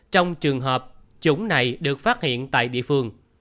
trong trường hợp chủng này được phát hiện tại địa phương